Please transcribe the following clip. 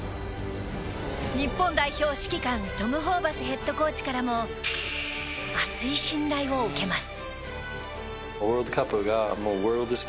日本代表指揮官、トム・ホーバスヘッドコーチからも厚い信頼を受けます。